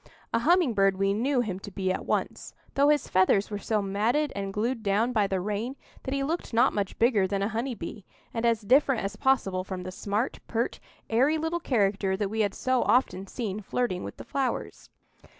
A humming bird we knew him to be at once, though his feathers were so matted and glued down by the rain that he looked not much bigger than a honey bee, and as different as possible from the smart, pert, airy little character that we had so often seen flirting with the flowers.